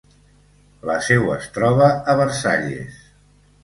La seu es troba a Versalles.